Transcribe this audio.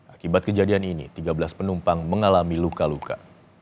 akibat kejadian ini tiga belas penumpang mengalami luka luka